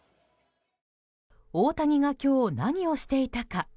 大谷が今日、何をしていたか。